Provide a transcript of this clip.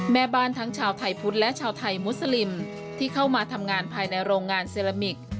แม่บ้านทั้งชาวไทยพุทธและชาวไทยมุสลิมที่เข้ามาทำงานภายในโรงงานเซรามิก